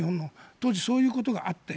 当時そういうことがあって。